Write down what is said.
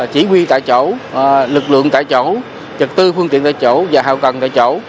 chỉ huy tại chỗ lực lượng tại chỗ trực tư phương tiện tại chỗ và hào cần tại chỗ